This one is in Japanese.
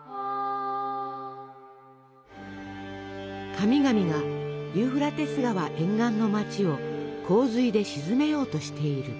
神々がユーフラテス川沿岸の町を洪水で沈めようとしている。